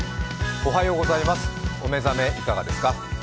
お目覚めいかがですか？